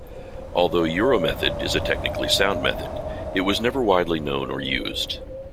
Although Euromethod is a technically sound method it was never widely known or used.